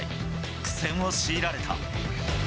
苦戦を強いられた。